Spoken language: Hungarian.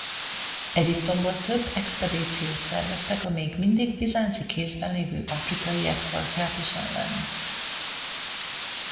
Egyiptomból több expedíciót szerveztek a még mindig bizánci kézben levő Afrikai Exarchátus ellen.